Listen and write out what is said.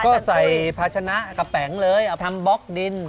ก็ใส่ภาชนะกระแป๋งเลยเอาทำบล็อกดิน